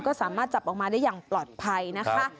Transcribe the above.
ก็สามารถจับออกมาได้อย่างปลอดภัยนะคะ